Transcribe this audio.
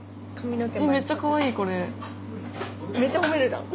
めっちゃ褒めるじゃん。